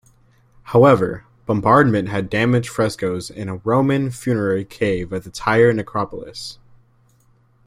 However, bombardment had damaged frescoes in a Roman funerary cave at the Tyre Necropolis.